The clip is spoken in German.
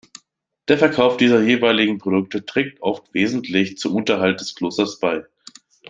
Der Verkauf dieser jeweiligen Produkte trägt oft wesentlich zum Unterhalt des Klosters bei.